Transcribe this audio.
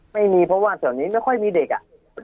ไม่มีเพราะว่าแถวนี้ไม่ค่อยมีเด็กอ่ะ